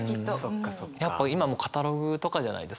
やっぱ今もうカタログとかじゃないですか。